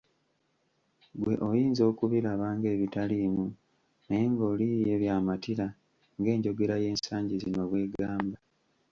Ggwe oyinza okubiraba ng'ebitaliimu naye ng'oli ye by'amatira ng'enjogera y'ensangi zino bw'egamba.